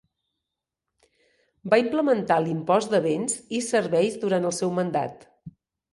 Va implementar l'impost de béns i serveis durant el seu mandat.